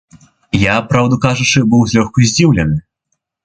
Я, праўду кажучы, быў злёгку здзіўлены.